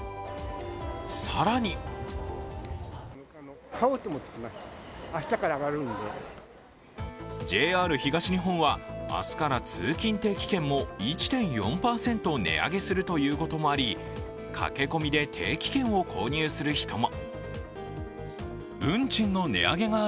更にＪＲ東日本は明日から通勤定期券も１．４％値上げするということもあり駆け込みで定期券を購入する人も。